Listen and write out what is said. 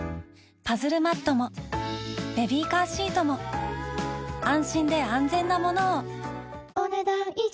パズルマットもベビーカーシートも安心で安全なものをお、ねだん以上。